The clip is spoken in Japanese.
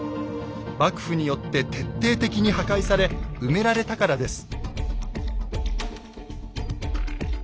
幕府によって徹底的に破壊され埋められたからです。